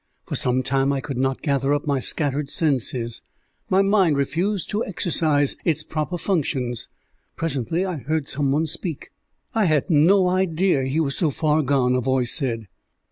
For some time I could not gather up my scattered senses; my mind refused to exercise its proper functions. Presently I heard some one speak. "I had no idea he was so far gone," a voice said.